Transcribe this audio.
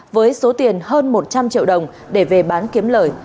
với số tiền hơn một trăm linh triệu đồng để về bán kiếm lời